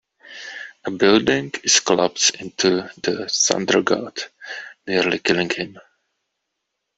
A building is collapsed onto the Thunder God, nearly killing him.